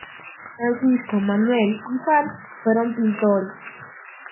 Francisco, Manuel y Juan fueron pintores.